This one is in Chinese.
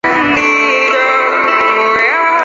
利什派森陶多尔扬。